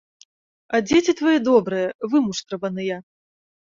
А дзеці твае добрыя, вымуштраваныя.